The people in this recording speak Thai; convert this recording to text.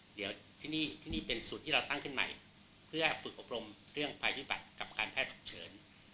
เดี๋ยวที่นี่ที่นี่เป็นสูตรที่เราตั้งขึ้นใหม่เพื่อฝึกอบรมเรื่องภัยพิบัติกับการแพทย์ฉุกเฉิน